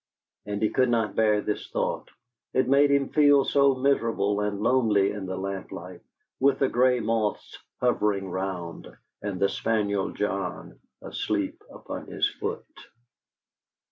And he could not bear this thought; it made him feel so miserable and lonely in the lamplight, with the grey moths hovering round, and the spaniel John asleep upon his foot.